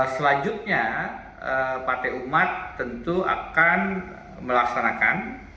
selanjutnya partai umat tentu akan melaksanakan